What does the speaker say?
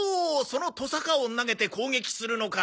そのトサカを投げて攻撃するのか。